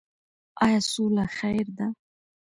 آیا سوله خیر ده؟